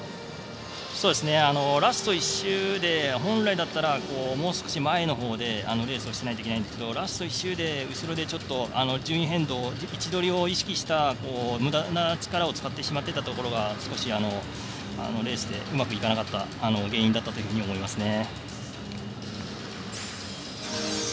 ラスト１周で本来だったらもう少し前のほうでレースしなきゃいけないんですがラスト１周で後ろで位置取りを意識した、むだな力を使ってしまっていたところが少しレースでうまくいかなかった原因だったと思いますね。